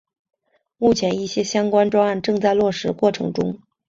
目前一些相关专案正在落实过程中。